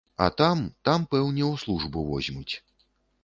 А там, там пэўне ў службу возьмуць.